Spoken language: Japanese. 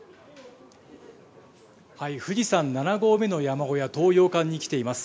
富士山７合目の山小屋、東洋館に来ています。